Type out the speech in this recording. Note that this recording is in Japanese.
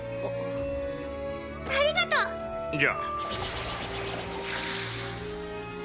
ありがとう！じゃ！